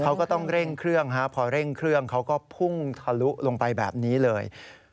เขาก็ต้องเร่งเครื่องพอเร่งเครื่องเขาก็พุ่งทะลุลงไปแบบนี้เลย